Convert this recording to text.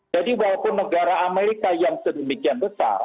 jadi walaupun negara amerika yang sedemikian besar